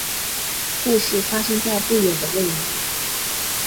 故事发生在不远的未来。